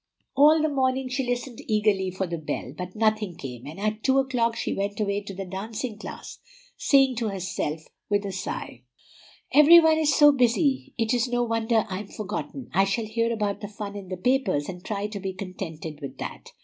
All the morning she listened eagerly for the bell, but nothing came; and at two o'clock she went away to the dancing class, saying to herself with a sigh, "Every one is so busy, it is no wonder I'm forgotten. I shall hear about the fun in the papers, and try to be contented with that."